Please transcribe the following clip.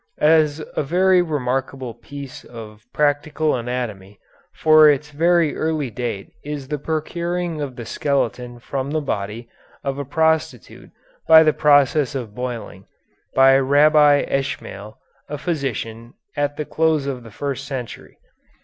As a very remarkable piece of practical anatomy for its very early date is the procuring of the skeleton from the body of a prostitute by the process of boiling, by Rabbi Ishmael, a physician, at the close of the first century.